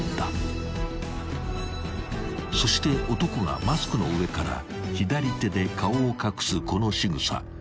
［そして男がマスクの上から左手で顔を隠すこのしぐさ］